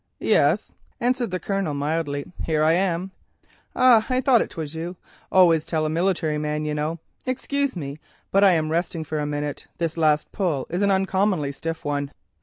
"Yes," answered the Colonel mildly, "here I am." "Ah, I thought it was you. Always tell a military man, you know. Excuse me, but I am resting for a minute, this last pull is an uncommonly stiff one.